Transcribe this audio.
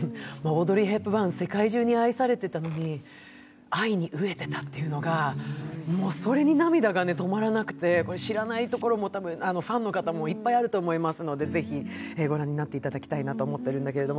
オードリー・ヘプバーン、世界中に愛されていたのに愛に飢えていたっていうのが、それに涙が止まらなくて、知らないところも、ファンの方もいっぱいあると思うのでぜひ御覧になっていただきたいなと思ってるんだけど。